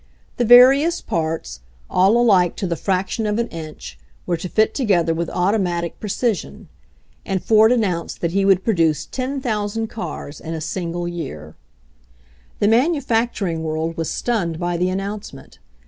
The various parts, all alike to the fraction of an AUTOMOBILES FOR THE MASSES 133 inch, were to fit together with automatic pre cision. And Ford announced that he would pro duce 10,000 cars in a single year. The manufacturing world was stunned by the announcement.